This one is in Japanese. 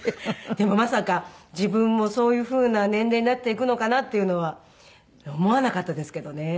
でもまさか自分もそういう風な年齢になっていくのかなっていうのは思わなかったですけどね。